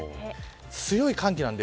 強い寒気なので。